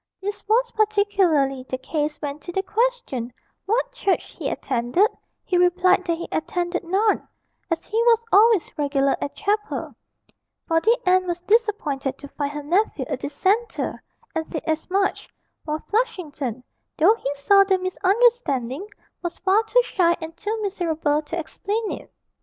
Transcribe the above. This was particularly the case when to the question 'what church he attended,' he replied that he attended none, as he was always regular at chapel: for the aunt was disappointed to find her nephew a Dissenter, and said as much; while Flushington, though he saw the misunderstanding, was far too shy and too miserable to explain it.